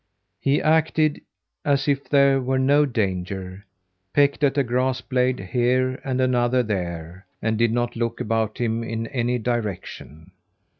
He acted as if there were no danger, pecked at a grass blade here and another there, and did not look about him in any direction.